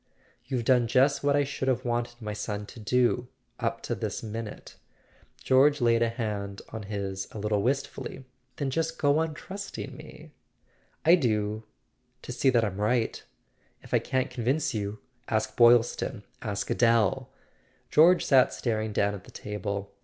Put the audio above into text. You've done just what I should have wanted my son to do, up to this minute " George laid a hand on his a little wistfully. "Then just go on trusting me." [ 360 ] A SON AT THE FRONT "I do—to see that I'm right! If I can't convince you, ask Boylston—ask Adele !" George sat staring down at the table.